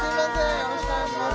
よろしくお願いします